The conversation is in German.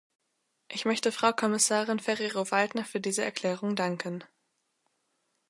Ich möchte Frau Kommissarin Ferrero-Waldner für diese Erklärung danken.